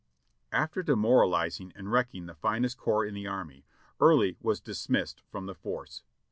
After demoralizing and wrecking the finest corps in the army, Early was dismissed from the force.